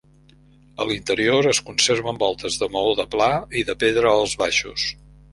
A l'interior es conserven voltes de maó de pla i de pedra als baixos.